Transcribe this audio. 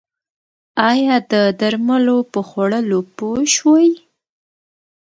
ایا د درملو په خوړلو پوه شوئ؟